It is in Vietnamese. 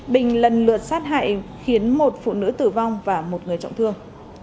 bình lần lượt sát hại khiến một phụ nữ tử vong và một người trọng thương